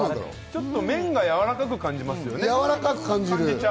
ちょっと麺がやわらかく感じられますよね。